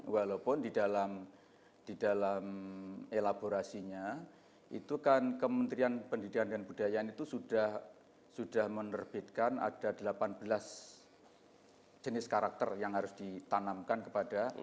walaupun di dalam elaborasinya itu kan kementerian pendidikan dan budayaan itu sudah menerbitkan ada delapan belas jenis karakter yang harus ditanamkan kepada